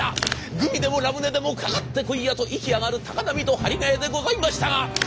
グミでもラムネでもかかってこいやと意気揚がる高波と針ヶ谷でございましたが。